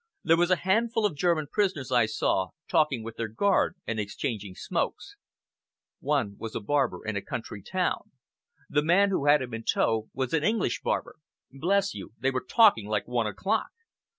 There was a handful of German prisoners I saw, talking with their guard and exchanging smokes. One was a barber in a country town. The man who had him in tow was an English barber. Bless you, they were talking like one o'clock!